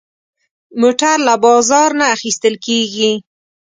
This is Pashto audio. موټر له بازار نه اخېستل کېږي.